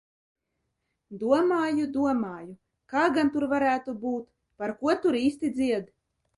Domāju, domāju, kā gan tur varētu būt, par ko tur īsti dzied.